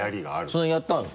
それやったの？